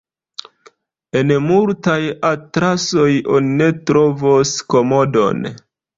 En multaj atlasoj oni ne trovos Komodon.